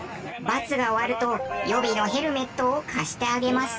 罰が終わると予備のヘルメットを貸してあげます。